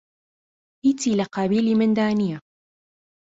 هیچی لە قابیلی مندا نییە